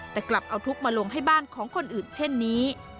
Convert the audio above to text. แต่กลับเอาทุกข์มาลงให้บ้านของคนอื่นเช่นนี้